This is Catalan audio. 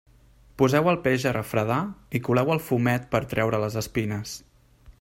Poseu el peix a refredar i coleu el fumet per a treure les espines.